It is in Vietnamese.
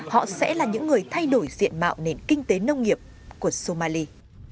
họ sẽ là những người thay đổi diện mạo nền kinh tế nông nghiệp của somali